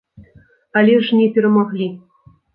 Але ж не перамаглі.